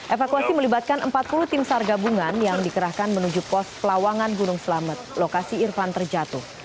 evakuasi melibatkan empat puluh tim sar gabungan yang dikerahkan menuju pos pelawangan gunung selamet lokasi irfan terjatuh